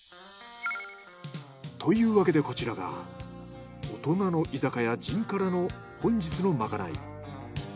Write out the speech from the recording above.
というわけでこちらが大人の居酒屋じんからの本日のまかない。